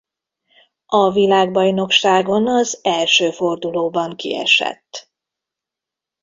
A világbajnokságon az első fordulóban kiesett.